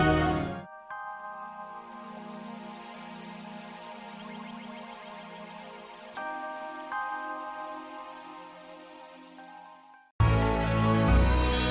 ya ampun kasihan sekali nasib ibu andin ya